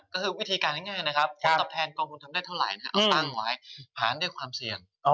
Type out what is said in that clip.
ต้องไปขึ้นหาผลตอบแทนความเสี่ยง